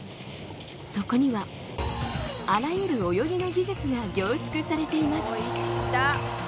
そこにはあらゆる泳ぎの技術が凝縮されています。